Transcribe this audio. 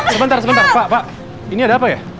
sebentar sebentar pak pak ini ada apa ya